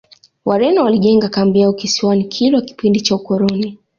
wareno walijenga kambi yao kisiwani kilwa kipindi cha ukoloni